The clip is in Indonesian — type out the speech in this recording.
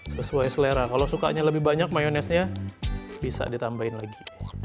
sesuai selera kalau sukanya lebih banyak mayonesenya bisa ditambahin lagi